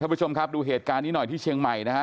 ผู้ชมครับดูเหตุการณ์นี้หน่อยที่เชียงใหม่นะฮะ